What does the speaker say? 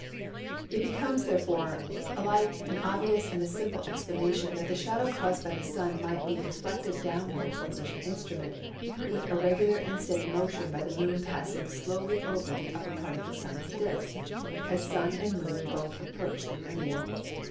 It becomes, therefore, alike an obvious and a simple explanation that a shadow caused by the Sun might be deflected downwards on such an instrument with a regular and steady motion by the Moon passing slowly over the upper part of the Sun's disc, as Sun and Moon both approached the meridian.